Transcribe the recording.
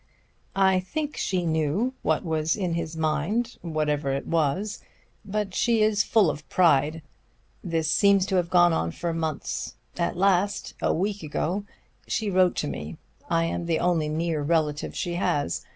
I think she knew what was in his mind, whatever it was; but she is full of pride. This seems to have gone on for months. At last, a week ago, she wrote to me. I am the only near relative she has.